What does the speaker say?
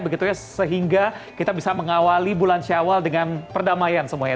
begitu ya sehingga kita bisa mengawali bulan syawal dengan perdamaian semuanya